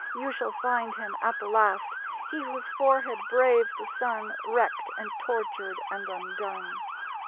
You shall find him, at the last, He whose forehead braved the sun, Wreckt and tortured and undone.